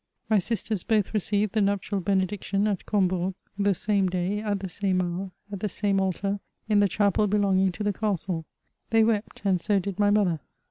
My sisters both received the nuptial benediction at Combourg, the same day, at the same hour, at the same altar, in the chapel belonging to the castle. They wept, and so did my mother.